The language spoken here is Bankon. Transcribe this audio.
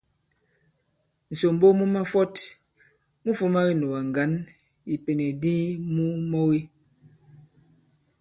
Ŋ̀sòmbo mu mafɔt mu fūma kinùgà ŋgǎn i ipènèk di mu mɔge.